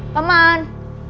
paman di mana